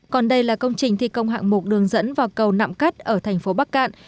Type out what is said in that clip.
còn đây là công trình thi công hạng mục đường dẫn vào cầu nạm cắt ở thành phố bắc cạn